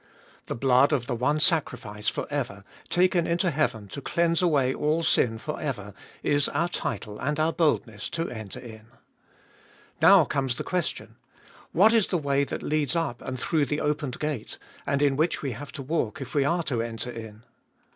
The blood of the one sacrifice for ever, taken into heaven to cleanse away all sin for ever, is our title and our boldness to enter in. Now comes the question, What is the way that leads up and through the opened gate, and in which we have to walk if we are to enter in.